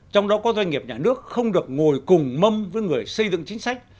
trong đó có doanh nghiệp nhà nước không được ngồi cùng mâm với người xây dựng chính sách